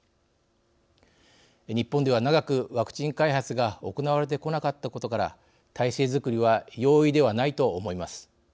日本では長くワクチン開発が行われてこなかったことから体制作りは容易ではないと思います。